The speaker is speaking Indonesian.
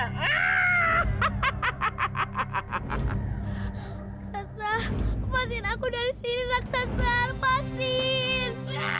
raksasa lepasin aku dari sini raksasa lepasin